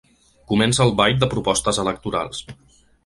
Comença el ball de propostes electorals.